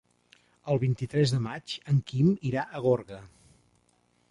El vint-i-tres de maig en Quim irà a Gorga.